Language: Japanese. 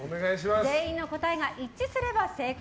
全員の答えが一致すれば成功。